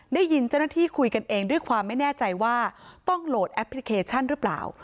ได้ยินด้วยความไม่แน่ใจว่าต้องโหลดแอพพลิเคชั่นหรือเปล่า